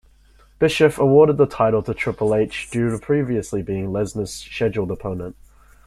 Bischoff awarded the title to Triple H due to previously being Lesnar's scheduled opponent.